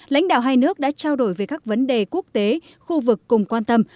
lãnh đạo hai nước đã trao đổi về các vấn đề quốc tế khu vực cùng quan tâm